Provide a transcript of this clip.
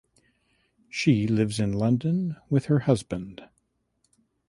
She lives in London with her husband.